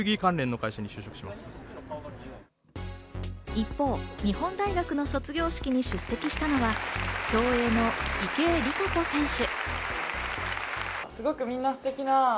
一方、日本大学の卒業式に出席したのは、競泳の池江璃花子選手。